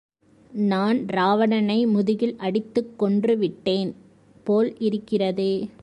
நான் இராவணனை முதுகில் அடித்துக் கொன்றுவிட்டேன்போல் இருக்கிறதே!